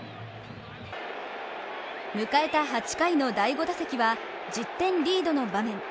迎えた８回の第５打席は１０点リードの場面。